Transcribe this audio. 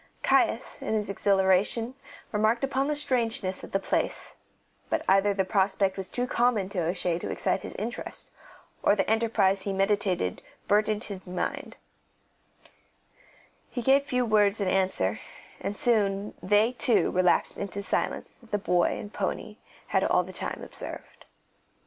Caius, in his exhilaration, remarked upon the strangeness of the place, but either the prospect was too common to O'Shea to excite his interest, or the enterprise he meditated burdened his mind; he gave few words in answer, and soon they, too, relapsed into the silence that the boy and the pony had all the time observed.